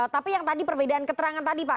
tapi yang tadi perbedaan keterangan tadi pak